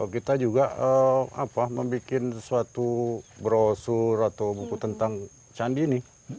kita juga membuat suatu brosur atau buku tentang candi ini